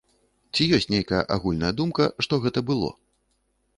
Ці ёсць нейкая агульная думка, што гэта было?